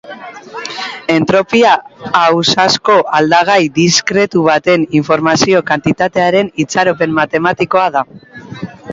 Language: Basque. Entropia ausazko aldagai diskretu baten informazio-kantitatearen itxaropen matematikoa da.